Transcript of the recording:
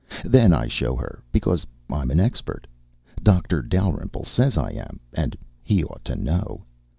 Then I show her, because I'm an expert. Dr. Dalrymple says I am, and he ought to know.